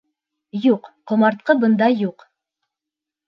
Юҡ ҡомартҡы бында, юҡ!